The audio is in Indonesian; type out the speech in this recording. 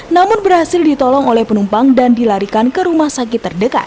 namun berhasil ditolong oleh penumpang dan dilarikan ke rumah sakit terdekat